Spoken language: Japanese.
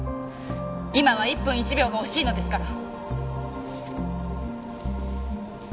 今は一分一秒が惜しいのですから。